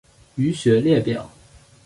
腧穴列表